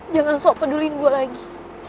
jangan sok peduliin gue lagi